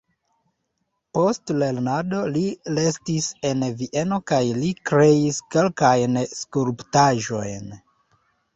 Post lernado li restis en Vieno kaj li kreis kelkajn skulptaĵojn.